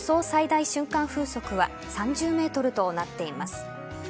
最大瞬間風速は３０メートルとなっています。